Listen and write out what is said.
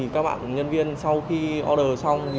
các bạn nhân viên sau khi order xong